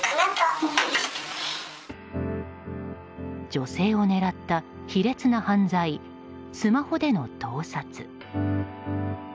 女性を狙った卑劣な犯罪スマホでの盗撮。